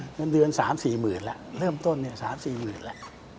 จนเดือน๓๔หมื่นละเริ่มต้นเนี่ย๓๔หมื่นละ